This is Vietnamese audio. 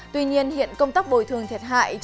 tuy nhiên hiện công tác bồi thường thiệt hại